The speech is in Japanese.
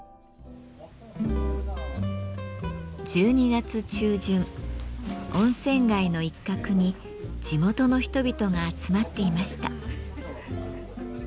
１２月中旬温泉街の一角に地元の人々が集まっていました。